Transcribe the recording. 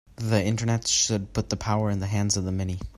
The Internet should put the power in the hands of the many.